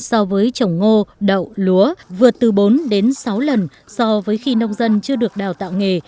so với trồng ngô đậu lúa vượt từ bốn đến sáu lần so với khi nông dân chưa được đào tạo nghề